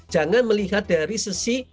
jangan melihat dari sisi